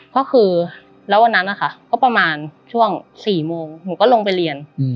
ก็คือแล้ววันนั้นนะคะก็ประมาณช่วง๔โมงหนูก็ลงไปเรียน